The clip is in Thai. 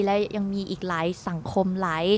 และยังมีอีกหลายสังคมหลาย